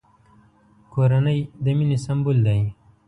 کورنۍ د مینې سمبول دی!